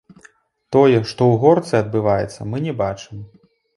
Тое, што ў горцы адбываецца, мы не бачым.